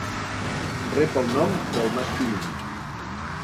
Rep el nom del Mas Pinell.